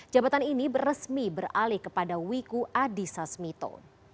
jabatan ini beresmi beralih kepada wiku adi sasmito